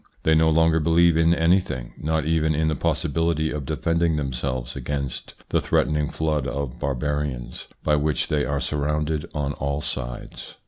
They no longer believe in anything, not even in the possibility of defending themselves against the threatening flood of barbarians, by which they are surrounded on all sides.